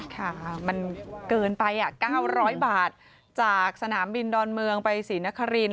ค่ะมันเกินไป๙๐๐บาทจากสนามบินดอนเมืองไปศรีนคริน